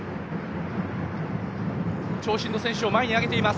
長身の選手を前に上げています。